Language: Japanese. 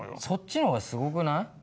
そっちの方がすごくない？